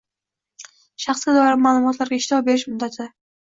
Shaxsga doir ma’lumotlarga ishlov berish muddati